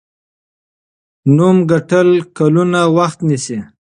نوم ګټل کلونه وخت نیسي.